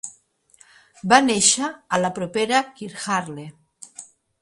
Va néixer a la propera Kirkharle.